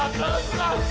aduh aduh aduh